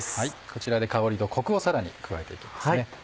こちらで香りとコクをさらに加えて行きますね。